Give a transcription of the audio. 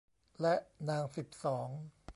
และนางสิบสอง